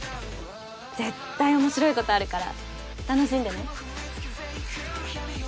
絶対面白いことあるから楽しんでね。